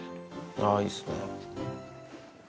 ああ、いいっすね。